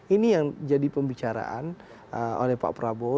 ini yang jadi pembicaraan oleh pak prabowo